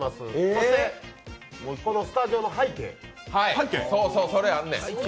そしてスタジオの背景。